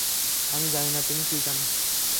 আমি জানি না তুমি কী জানো।